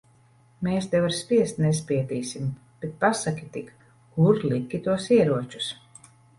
Mēs tev ar spiest nespiedīsim. Bet pasaki tik, kur tu liki tos ieročus?